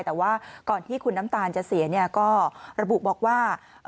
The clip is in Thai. แต่ว่าก่อนที่คุณน้ำตาลจะเสียเนี่ยก็ระบุบอกว่า